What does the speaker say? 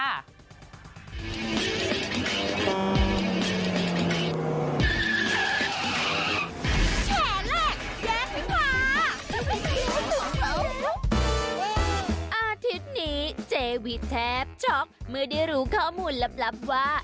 อาทิตย์นี้เจวิแทบช็อกเมื่อได้รู้ข้อมูลลับว่า